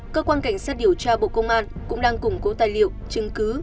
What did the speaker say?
cơ quan cảnh sát điều tra bộ công an cũng đang củng cố tài liệu chứng cứ